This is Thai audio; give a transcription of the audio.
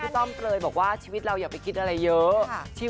ต้อมเปลยบอกว่าชีวิตเราอย่าไปคิดอะไรเยอะ